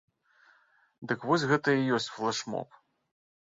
Дык вось гэта і ёсць флэш-моб.